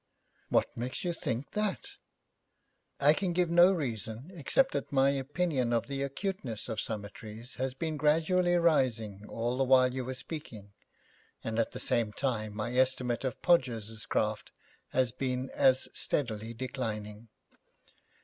'What makes you think that?' 'I can give no reason except that my opinion of the acuteness of Summertrees has been gradually rising all the while you were speaking, and at the same time my estimate of Podgers' craft has been as steadily declining.